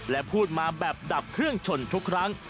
และพูดมาแบบดับเครื่องชนทุกครั้ง